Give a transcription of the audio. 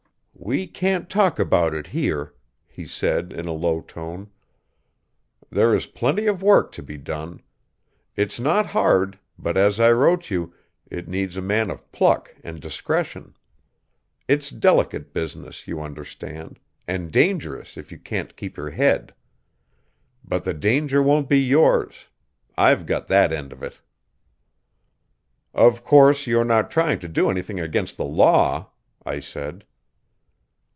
"We can't talk about it here," he said in a low tone. "There is plenty of work to be done. It's not hard, but, as I wrote you, it needs a man of pluck and discretion. It's delicate business, you understand, and dangerous if you can't keep your head. But the danger won't be yours. I've got that end of it." "Of course you're not trying to do anything against the law?" I said.